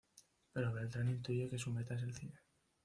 Pero Beltrán intuye que su meta es el cine.